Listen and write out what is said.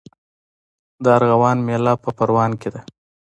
د ارغوان میله په پروان کې ده.